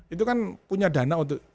itu kan punya dana untuk